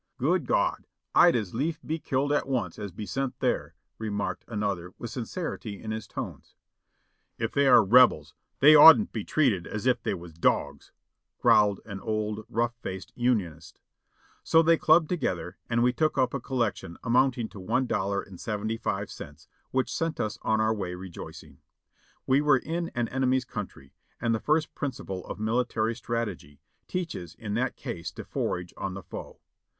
"Good God! I'd as lief be killed at once as be sent there," re marked another with sincerity in his tones. "If they are Rebels, they oughtn't to be treated as if they was dogs," growled an old rough faced Unionist. So they clubbed together, and we took up a collection amount ing to one dollar and seventy five cents, which sent us on our way rejoicing. We were in an enemy's country, and the first principle of military strategy teaches in that case to forage on the foe.